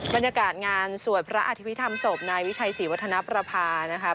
บรรยากาศงานสวดพระอธิพธรรมศพในวิชัยศรีวัฒนภรรภานะครับ